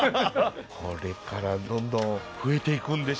これからどんどん増えていくんでしょうしね。